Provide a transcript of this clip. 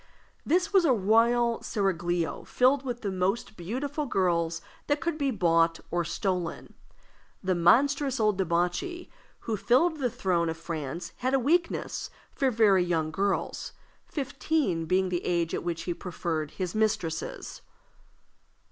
This was a royal seraglio filled with the most beautiful girls that could be bought or stolen. The monstrous old debauchee who filled the throne of France had a weakness for very young girls, fifteen being the age at which he preferred his mistresses.